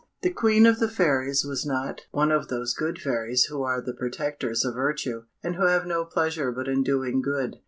The Queen of the Fairies was not one of those good fairies who are the protectors of virtue, and who have no pleasure but in doing good.